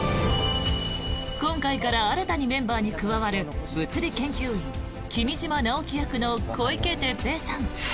今回から新たにメンバーに加わる物理研究員、君嶋直樹役の小池徹平さん。